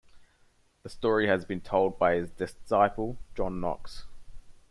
The story has been told by his disciple John Knox.